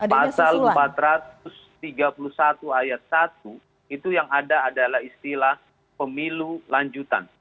pasal empat ratus tiga puluh satu ayat satu itu yang ada adalah istilah pemilu lanjutan